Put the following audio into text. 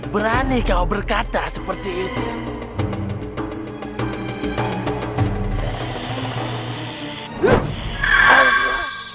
berani kau berkata seperti itu